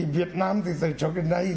việt nam thì từ trước đến nay